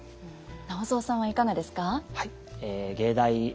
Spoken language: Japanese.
直三さんはいかがですか？